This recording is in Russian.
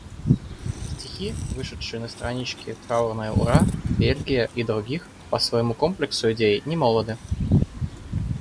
Стихи, вышедшие на страничке «Траурное ура», «Бельгия» и других по своему комплексу идей немолоды.